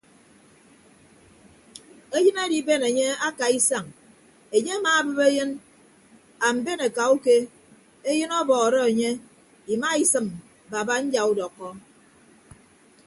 Eyịn adiben enye akaa isañ enye amaabịp eyịn amben akauke eyịn ọbọọrọ enye imaisịm baba nyaudọkkọ.